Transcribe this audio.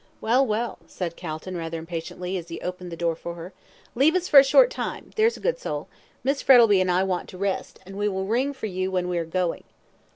"Well, well," said Calton, rather impatiently, as he opened the door for her, "leave us for a short time, there's a good soul. Miss Frettlby and I want to rest, and we will ring for you when we are going."